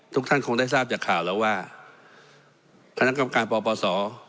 ทุกท่านคงได้ทราบจากข่าวแล้วว่าคณะกรรมการปปศ